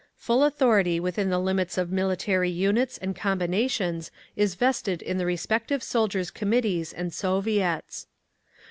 Full authority within the limits of military units and combinations is vested in the respective Soldiers' Committees and Soviets.